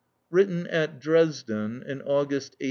_Written at Dresden in August 1818.